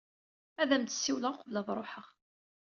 Ad am-d-siwleɣ uqbel ad ruḥeɣ.